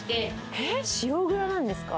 えっ塩蔵なんですか？